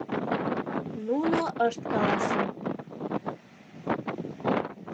Нуно ышт каласе.